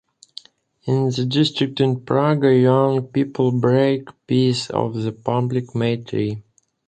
In the district of Prague young people break pieces of the public May-tree.